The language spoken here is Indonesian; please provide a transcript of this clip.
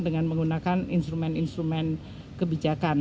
dengan menggunakan instrumen instrumen kebijakan